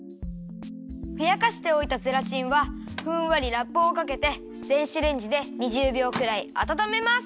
ふやかしておいたゼラチンはふんわりラップをかけて電子レンジで２０びょうぐらいあたためます。